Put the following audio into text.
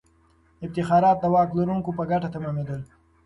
افتخارات د واک لرونکو په ګټه تمامېدل.